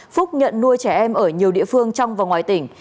phúc nhận nuôi trẻ em ở nhiều địa phương trong và ngoài tỉnh